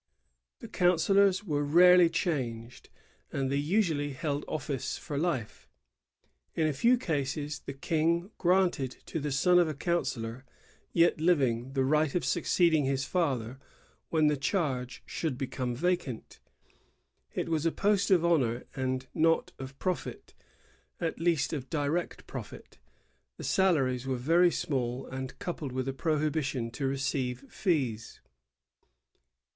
The conncillors were rarely changed, and they usually held office for life. In a few cases the King granted to the son of a councillor yet living the right of succeeding his father when the charge should become vacant.' It was a post of honor and not of profit, at least of direct profit. The salaries were veiy small, and coupled with a prohibition to receive fees.